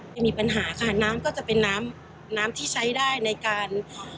จะมีปัญหาค่ะน้ำก็จะเป็นน้ำน้ำที่ใช้ได้ในการ